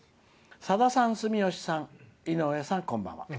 「さださん、住吉さん、井上さんこんばんは。